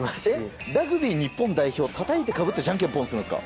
えっ、ラグビー日本代表、たたいてかぶってじゃんけんぽんするんですか。